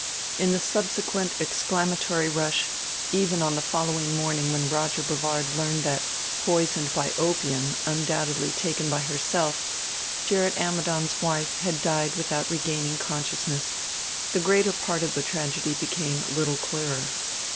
In the subsequent exclamatory rush, even on the following morning when Roger Brevard learned that poisoned by opium undoubtedly taken by herself Gerrit Ammidon's wife had died without regaining consciousness, the greater part of the tragedy became little clearer.